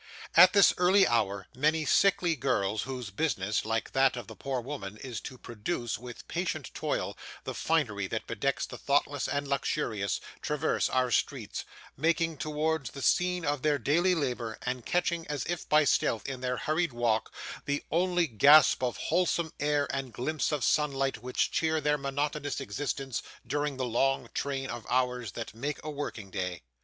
At this early hour many sickly girls, whose business, like that of the poor worm, is to produce, with patient toil, the finery that bedecks the thoughtless and luxurious, traverse our streets, making towards the scene of their daily labour, and catching, as if by stealth, in their hurried walk, the only gasp of wholesome air and glimpse of sunlight which cheer their monotonous existence during the long train of hours that make a working day.